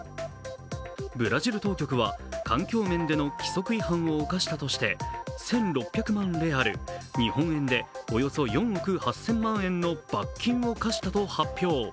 ブラジル当局は環境面での規則違反を犯したとして１６００万レアル、日本円でおよそ４億８０００万円の罰金を科したと発表。